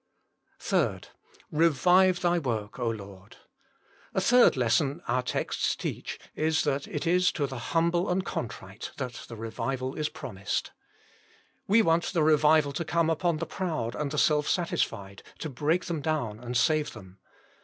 186 THE MINISTRY OF INTERCESSION 3. " Revive Thy work, Lord !" A third lesson our texts teach is that it is to the humble and contrite that the revival is promised. We want the revival to come upon the proud and the self satisfied, to break them down and save them.